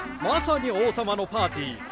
まさに王さまのパーティー。